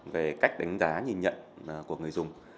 về cách đánh giá nhìn nhận của người dùng